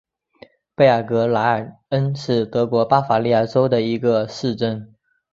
贝尔格莱尔恩是德国巴伐利亚州的一个市镇。